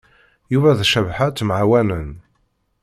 Yuba d Cabḥa ttemɛawanen.